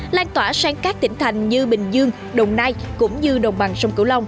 lan tỏa sang các tỉnh thành như bình dương đồng nai cũng như đồng bằng sông cửu long